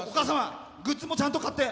グッズもちゃんと買って。